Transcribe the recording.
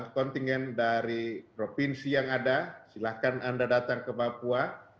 tiga puluh tiga kontingen dari provinsi yang ada silakan anda datang ke papua